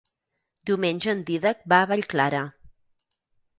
Diumenge en Dídac va a Vallclara.